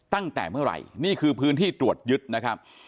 ตั้งแต่เมื่อไหร่นี่คือพื้นที่ตรวจยึดนะครับ